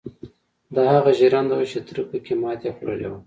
دا هغه ژرنده وه چې تره پکې ماتې خوړلې وه.